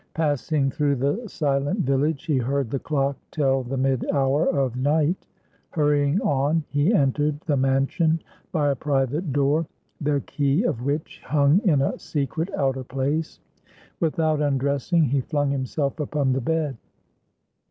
Passing through the silent village, he heard the clock tell the mid hour of night. Hurrying on, he entered the mansion by a private door, the key of which hung in a secret outer place. Without undressing, he flung himself upon the bed.